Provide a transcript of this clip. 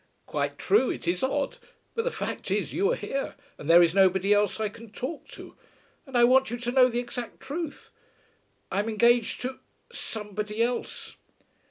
"Quite true. It is odd. But the fact is you are here, and there is nobody else I can talk to. And I want you to know the exact truth. I'm engaged to somebody else."